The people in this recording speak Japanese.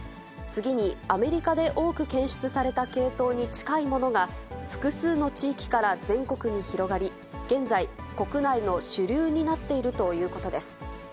次に、アメリカで多く検出された系統に近いものが、複数の地域から全国に広がり、現在、国内の主流になっているということです。